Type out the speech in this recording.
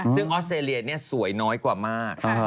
ซึ่งออสเตรเลียเนี่ยสวยน้อยกว่ามาก